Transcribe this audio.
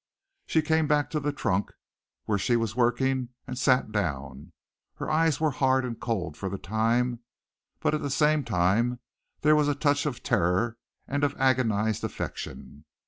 She came back to the trunk where she was working and sat down. Her eyes were hard and cold for the time, but at the same time there was a touch of terror and of agonized affection.